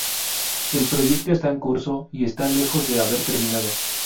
El proyecto está en curso y está lejos de haber terminado.